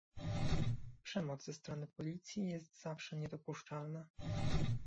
Przemoc ze strony policji jest zawsze niedopuszczalna